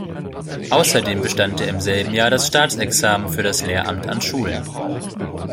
Außerdem bestand er im selben Jahr das Staatsexamen für das Lehramt an Schulen.